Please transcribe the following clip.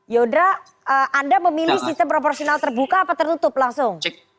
yodra anda memilih sistem proporsional terbuka atau tertutup langsung